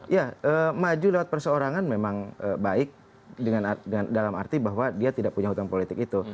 ya maju lewat perseorangan memang baik dalam arti bahwa dia tidak punya hutang politik itu